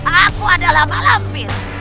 aku adalah malampir